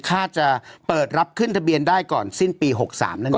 ข้าจะเปิดรับขึ้นทะเบียนได้ก่อนสิ้นปี๖๓แล้วนี้ครับ